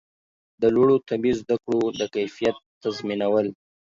د لوړو طبي زده کړو د کیفیت تضمینول